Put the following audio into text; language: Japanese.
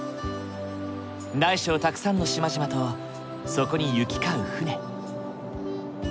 大小たくさんの島々とそこに行き交う船。